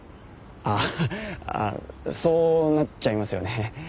あっそうなっちゃいますよね。